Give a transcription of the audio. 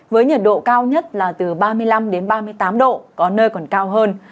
với nhiệt độ cao nhất là từ ba mươi năm đến ba mươi tám độ có nơi còn cao hơn